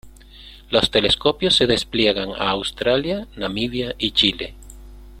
Los telescopios se despliegan a Australia, Namibia y Chile.